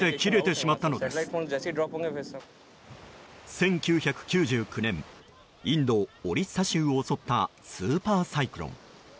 １９９９年インド・オリッサ州を襲ったスーパーサイクロン。